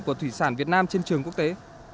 của thủy sản việt nam trên trường quốc tế